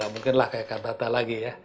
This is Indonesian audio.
mungkin lah kayak kantata lagi ya